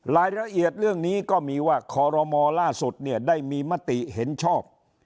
รายละเอียดเรื่องนี้ก็มีว่าคอรมอล่าสุดเนี่ยได้มีมติเห็นชอบ